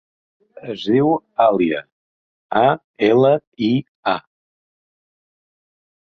Es diu Alia: a, ela, i, a.